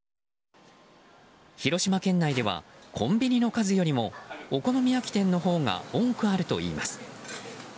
広島県内ではコンビニの数よりもお好み焼き店のほうが多くあるといいます。